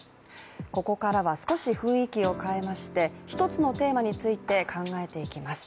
ここからは少し雰囲気を変えまして、１つのテーマについて考えていきます。